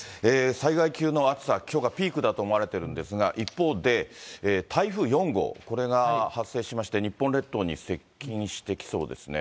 災害級の暑さ、きょうがピークだと思われてるんですが、一方で台風４号、これが発生しまして、日本列島に接近してきそうですね。